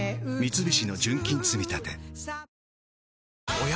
おや？